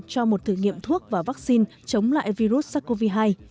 cho một thử nghiệm thuốc và vắc xin chống lại virus covid một mươi chín